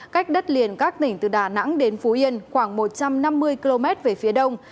cách đất liền các tỉnh từ đà nẵng đến phú yên khoảng một trăm năm mươi km về phía đông